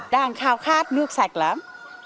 đang khao khát nước sạch lắm